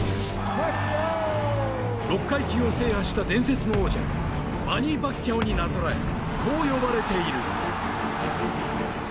６階級を制覇した伝説の王者、マニー・パッキャオになぞらえこう呼ばれている。